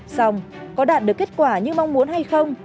xong có đạt được kết quả như mong muốn hay không